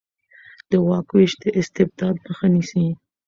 د واک وېش د استبداد مخه نیسي